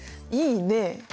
いいね！